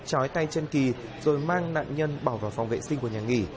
trói tay chân kỳ rồi mang nạn nhân bỏ vào phòng vệ sinh của nhà nghỉ